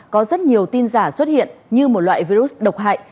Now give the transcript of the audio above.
có rất nhiều tin giả xuất hiện như một loại virus độc hại